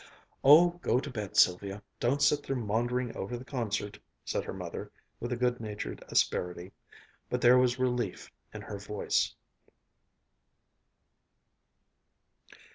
"Oh, go to bed, Sylvia; don't sit there maundering over the concert," said her mother, with a good natured asperity. But there was relief in her voice.